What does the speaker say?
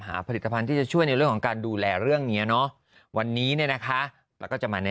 หาผลิตภัณฑ์ที่จะช่วยในเรื่องของการดูแลเรื่องเนี่ยเนาะวัน